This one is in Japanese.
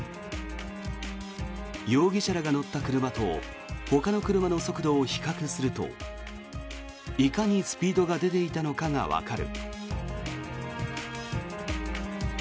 容疑者らが乗った車とほかの車の速度を比較するといかにスピードが出ていたのかがわかる。